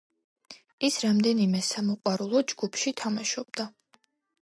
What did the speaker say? ის რამდენიმე სამოყვარულო ჯგუფში თამაშობდა.